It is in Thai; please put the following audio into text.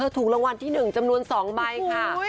ถูกรางวัลที่๑จำนวน๒ใบค่ะ